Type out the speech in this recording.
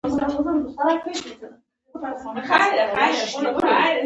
ته څه کوې چې ګڼ ګڼ کېږې؟!